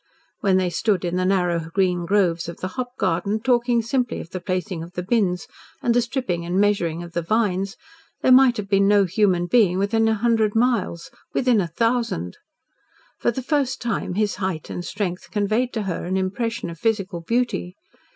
When they stood in the narrow green groves of the hop garden, talking simply of the placing of the bins and the stripping and measuring of the vines, there might have been no human thing within a hundred miles within a thousand. For the first time his height and strength conveyed to her an impression of physical beauty.